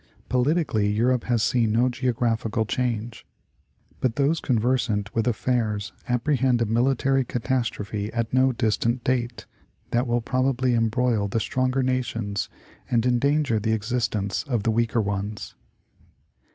Politically, Europe has seen no geographical change, but those conversant with affairs apprehend a military catastrophe at no distant date, that will probably embroil the stronger nations and endanger the existence of the weaker ones.